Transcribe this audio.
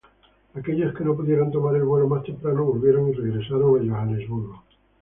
Aquellos que no pudieron tomar el vuelo más temprano volvieron y regresaron a Johannesburgo.